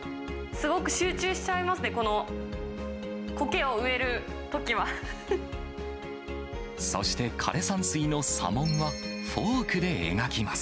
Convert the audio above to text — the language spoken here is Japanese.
すごく集中しちゃいますね、そして、枯山水のさもんは、フォークで描きます。